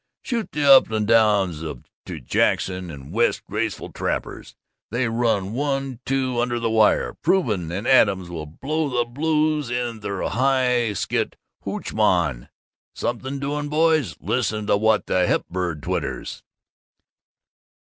Shoot the up and down to Jackson and West for graceful tappers. They run 1 2 under the wire. Provin and Adams will blow the blues in their laugh skit "Hootch Mon!" Something doing, boys. Listen to what the Hep Bird twitters.